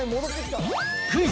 クイズ！